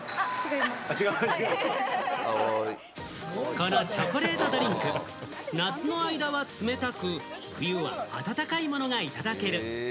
このチョコレートドリンク、夏の間は冷たく、冬は温かいものがいただける。